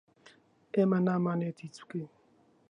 ئێمە نامانەوێت هیچ بکەین.